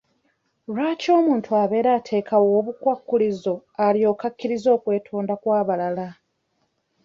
Lwaki omuntu abeera ateekawo obukwakkulizo alyoke akkirize okwetonda kw'abalala?